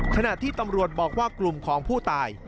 แถนที่ตำรวจบอกว่ากลุ่มพู่ตาย